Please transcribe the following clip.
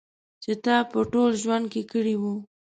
چې تا په ټول ژوند کې کړی و.